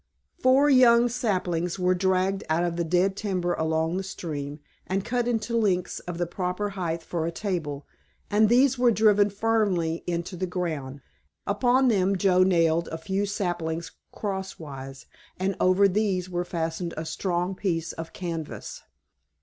Four young saplings were dragged out of the dead timber along the stream, and cut into lengths of the proper height for a table, and these were driven firmly into the ground. Upon them Joe nailed a few saplings crosswise, and over these was fastened a strong piece of canvas.